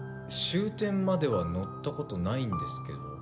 終点までは乗ったことないんですけど。